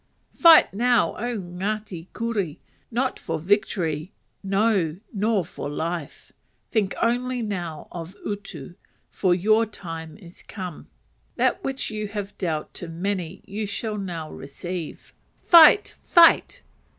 Fight now, O Ngati Kuri! not for victory, no, nor for life. Think only now of utu! for your time is come. That which you have dealt to many, you shall now receive. Fight! fight!